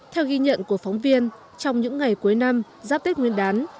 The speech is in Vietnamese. theo ghi nhận của phóng viên trong những ngày cuối năm giáp tết nguyên đán